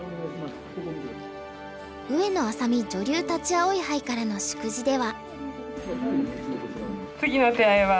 上野愛咲美女流立葵杯からの祝辞では。